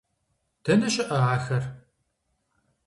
Дэнэ щыӀэ ахэр?